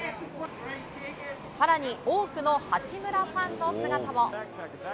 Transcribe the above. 更に、多くの八村ファンの姿も。